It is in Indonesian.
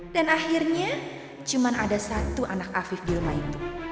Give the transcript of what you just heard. dan akhirnya cuman ada satu anak afif di rumah itu